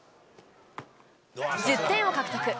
１０点を獲得。